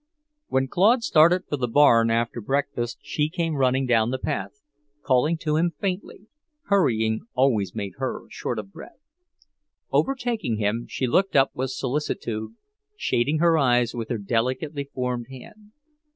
When Claude started for the barn after breakfast, she came running down the path, calling to him faintly, hurrying always made her short of breath. Overtaking him, she looked up with solicitude, shading her eyes with her delicately formed hand.